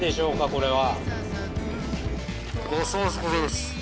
これは。